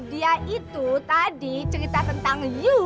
dia itu tadi cerita tentang yuk